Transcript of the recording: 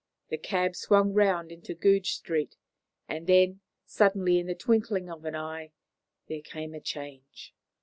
The cab swung round into Goodge Street, and then suddenly, in the twinkling of an eye there came a change.